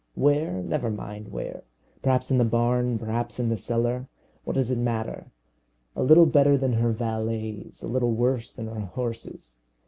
Where? never mind where. Perhaps in the barn, perhaps in the cellar; what does it matter? A little better than her valets, a little worse than her horses.